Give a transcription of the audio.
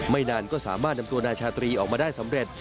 นานก็สามารถนำตัวนายชาตรีออกมาได้สำเร็จ